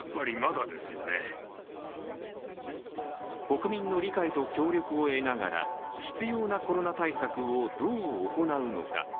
国民の理解と協力を得ながら必要なコロナ対策をどう行うのか。